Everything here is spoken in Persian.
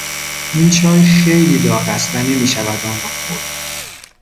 این چای خیلی داغ است و نمیشود آن را خورد.